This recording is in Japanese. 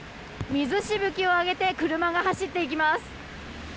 水しぶきを上げて車が走っていきます。